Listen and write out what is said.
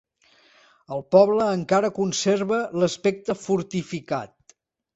El poble encara conserva l'aspecte fortificat.